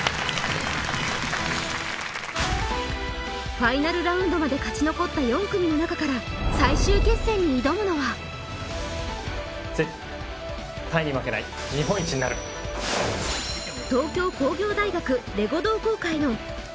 ファイナルラウンドまで勝ち残った４組の中から最終決戦に挑むのはペアそしてと思います